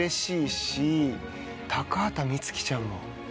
高畑充希ちゃんも。